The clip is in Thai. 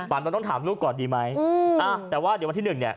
ปานนทนต้องถามลูกก่อนดีไหมอืมอ่าแต่ว่าเดี๋ยววันที่หนึ่งเนี้ย